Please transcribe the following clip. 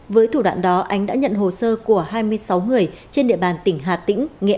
với thủ đoạn đó ánh đã nhận hồ sơ của hai mươi sáu người trên địa bàn tỉnh hà tĩnh nghệ an